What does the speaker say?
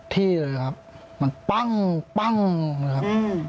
ที่เลยครับมันปั้งเลยครับ